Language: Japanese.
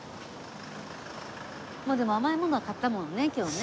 まあでも甘いものは買ったもんね今日ね。